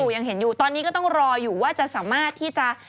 ยังเห็นอยู่ตอนนี้ก็ต้องรออยู่ว่าจะสามารถที่จะ